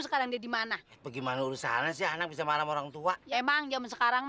sekarang dia dimana bagaimana urusan si anak bisa marah orang tua emang zaman sekarang